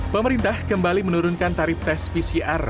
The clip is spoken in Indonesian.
pemerintah kembali menurunkan tarif tes pcr